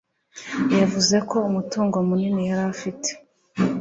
Yavuze ko umutungo munini yari afite.